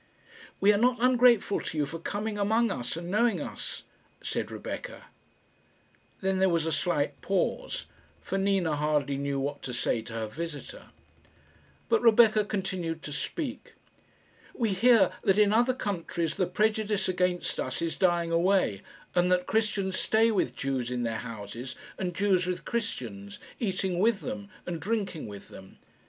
"We are not ungrateful to you for coming among us and knowing us," said Rebecca. Then there was a slight pause, for Nina hardly knew what to say to her visitor. But Rebecca continued to speak. "We hear that in other countries the prejudice against us is dying away, and that Christians stay with Jews in their houses, and Jews with Christians, eating with them, and drinking with them.